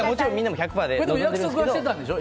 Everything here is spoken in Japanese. でも約束はしてたんでしょ？